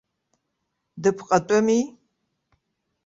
Дыԥҟатәыми?